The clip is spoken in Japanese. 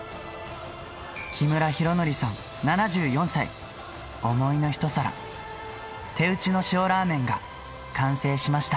木村浩敬さん７４歳、想いの一皿、手打ちの塩らーめんが完成しました。